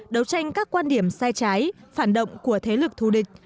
đấu tranh các quan điểm sai trái phản động của thế lực thù địch